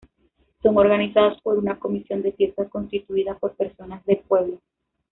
Son organizadas por una comisión de fiestas constituida por personas del pueblo.